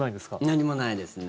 何もないですね。